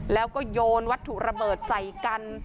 แล้วก็โยนวัตถุระเบิดใส่กัน